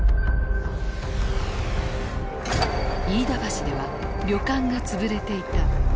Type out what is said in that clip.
飯田橋では旅館が潰れていた。